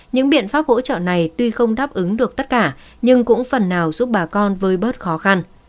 những biện pháp hỗ trợ này tuy không đáp ứng được tất cả nhưng cũng phần nào giúp bà con vơi bớt khó khăn